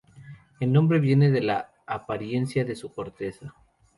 El nombre viene de la apariencia de su corteza.